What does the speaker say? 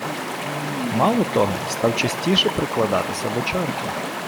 Мало того, став частіше прикладатися до чарки.